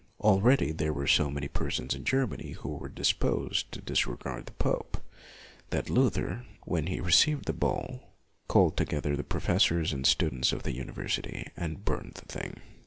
Already there were so many persons in Germany who were disposed to disregard the pope, that Luther, when he received the bull, called together the professors and stu dents of the university and burned the thing.